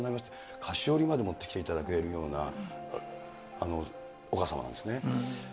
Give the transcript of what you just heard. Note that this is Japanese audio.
菓子折りまで持ってきていただけるようなお母様なんですね。